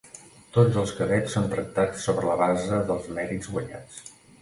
Tots els cadets són tractats sobre la base dels mèrits guanyats.